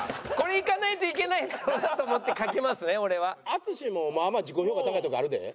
淳もまあまあ自己評価高いとこあるで。